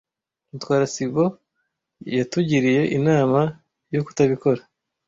Mutwara sibo yatugiriye inama yo kutabikora.